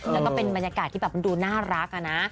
แล้วก็เป็นบรรยากาศที่ดูน่ารักนะ